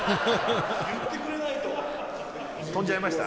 言ってくれないと。